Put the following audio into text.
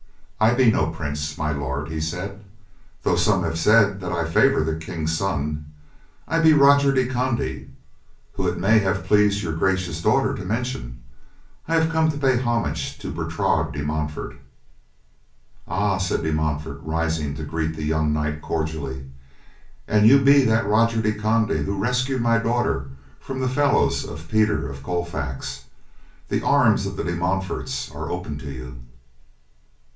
"I be no prince, My Lord," he said, "though some have said that I favor the King's son. I be Roger de Conde, whom it may have pleased your gracious daughter to mention. I have come to pay homage to Bertrade de Montfort." "Ah," said De Montfort, rising to greet the young knight cordially, "an you be that Roger de Conde who rescued my daughter from the fellows of Peter of Colfax, the arms of the De Montforts are open to you.